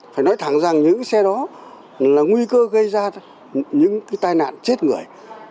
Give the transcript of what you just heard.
phải nói thẳng rằng những xe đó là nguy cơ gây ra những cái tai nạn chết người